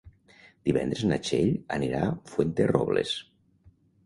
Divendres na Txell anirà a Fuenterrobles.